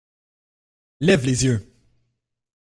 Lève les yeux!